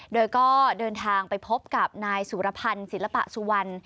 โดยก็เดินทางไปพบกับนายสุรพันธ์ศิลปะสุวรรณ